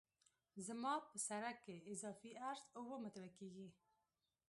زما په سرک کې اضافي عرض اوه متره کیږي